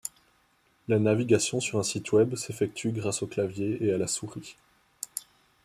La navigation sur un site web s’effectue grâce au clavier et à la souris.